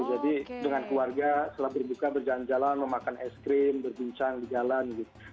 jadi dengan keluarga setelah berbuka berjalan jalan memakan es krim berbincang berjalan gitu